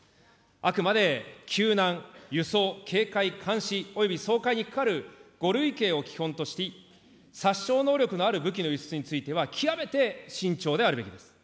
あくまで救難、輸送、警戒・監視、および掃海にかかる５類型を基本とし、殺傷能力のある武器の輸出については極めて慎重であるべきです。